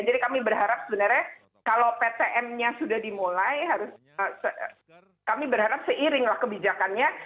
jadi kami berharap sebenarnya kalau ptm nya sudah dimulai harus kami berharap seiring lah kebijakannya